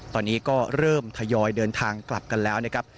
ตอนนี้ก็เริ่มทยอยเดินทางกลับกันแล้วนะครับ